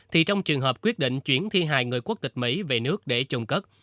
thì trong trường hợp quyết định chuyển thi hài người quốc tịch mỹ về nước để chôn cất